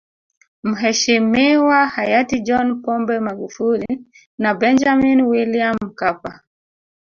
Mheshimiwa hayati John Pombe Magufuli na Benjamin William Mkapa